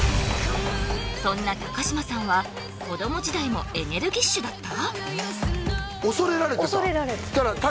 そんな高嶋さんは子供時代もエネルギッシュだった！？